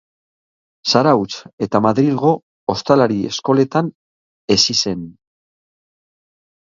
Zarautz eta Madrilgo ostalari eskoletan hezi zen.